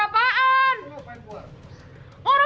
apa yang kamu lakukan